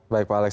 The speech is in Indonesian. baik pak alex